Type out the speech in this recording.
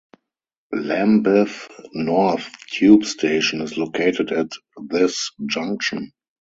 Lambeth North tube station is located at this junction.